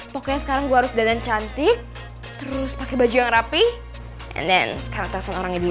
pokoknya sekarang gue harus dadan cantik terus pakai baju yang rapi and then sekarang telpon orangnya dulu